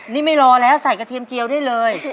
นี่ไม่รอแล้วใส่กระเทียมเจียวได้เลย